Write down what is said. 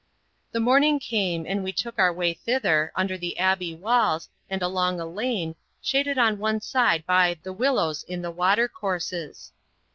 The morning came, and we took our way thither, under the Abbey walls, and along a lane, shaded on one side by the "willows in the water courses."